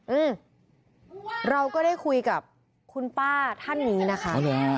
อืมเราก็ได้คุยกับคุณป้าท่านนี้นะคะ